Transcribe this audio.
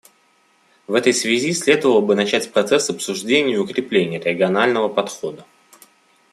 В этой связи следовало бы начать процесс обсуждения и укрепления регионального подхода.